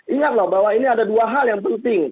ingatlah bahwa ini ada dua hal yang penting